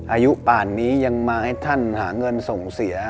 อายุป่านนี้ยังมาให้ท่านหาเงินส่งเสีย